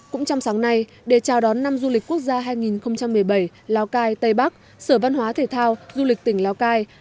cũng trong sáng nay để chào đón năm du lịch quốc gia hai nghìn một mươi bảy lào cai tây bắc sở văn hóa thể thao du lịch tỉnh lào cai